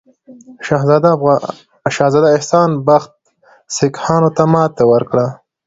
شهزاده احسان بخت سیکهانو ته ماته ورکړه.